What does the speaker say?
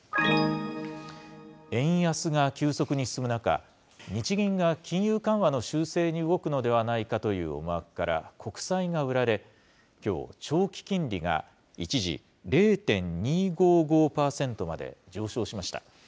円安が急速に進む中、日銀が金融緩和の修正に動くのではないかという思惑から、国債が売られ、きょう長期金利が一時、０．２５５％まで上昇しました。